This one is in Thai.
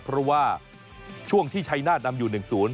เพราะว่าช่วงที่ชายนาฏนำอยู่หนึ่งศูนย์